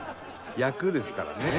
「役ですからね」